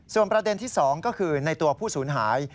ส่วนประเด็นที่๒ก็คือในตัวผู้สูญหาย